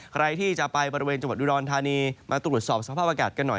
ใครที่จะไปบริเวณจังหวัดอุดรธานีมาตรวจสอบสภาพอากาศกันหน่อย